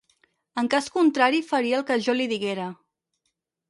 En cas contrari, faria el que jo li diguera.